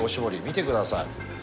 見てください。